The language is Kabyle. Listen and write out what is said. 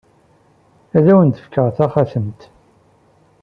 Ad awen-d-fkeɣ taxatemt.